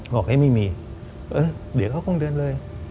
บอกให้ไม่มีเดี๋ยวเขาก็ต้องเดินเลย